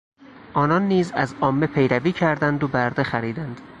آنان نیز از عامه پیروی کردند و برده خریدند.